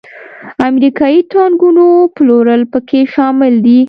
امریکایي ټانکونو پلورل پکې شامل دي.